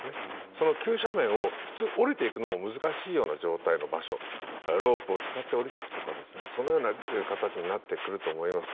その急斜面を普通下りていくのも難しいような場所でロープを使って下りていくとかそういう形になると思います。